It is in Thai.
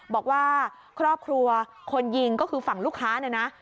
บอกว่าครอบครัวคนยิงก็คือฝั่งลูกค้าเนี่ยนะ